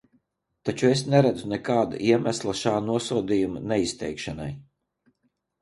Taču es neredzu nekāda iemesla šā nosodījuma neizteikšanai.